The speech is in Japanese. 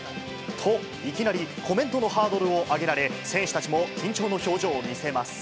と、いきなりコメントのハードルを上げられ、選手たちも緊張の表情を見せます。